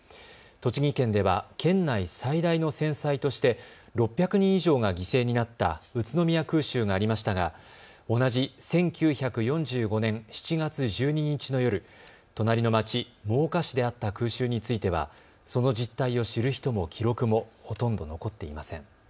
栃木県では県内最大の戦災として６００人以上が犠牲になった宇都宮空襲がありましたが同じ１９４５年７月１２日の夜、隣の町、真岡市であった空襲についてはその実態を知る人も記録もほとんど残っていません。